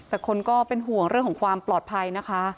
แต่คนก็เป็นห่วงเรื่องของความปลอดภัยนะคะ